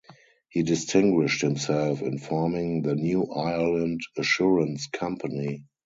He distinguished himself in forming the New Ireland Assurance Company.